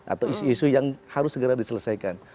atau isu isu yang harus segera diselesaikan